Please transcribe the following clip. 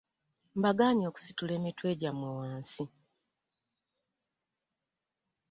Mbagaanyi okusitula emitwe gyammwe wansi.